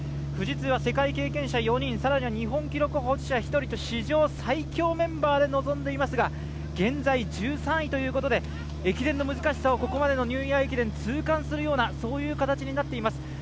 富士通は世界経験者４人、史上最速メンバーで臨んでいますが、現在１３位ということで駅伝の難しさをここまでのニューイヤー駅伝痛感するような状況になっています。